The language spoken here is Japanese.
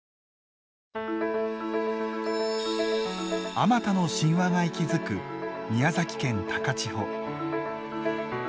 あまたの神話が息づく宮崎県高千穂。